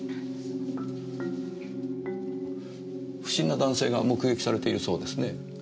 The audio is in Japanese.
不審な男性が目撃されているそうですね？